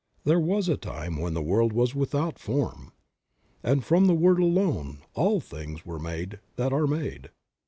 There was a time when the world was without form, and from the word alone all things were made that are made.